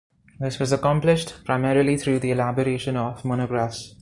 This was accomplished primarily through the elaboration of monographs.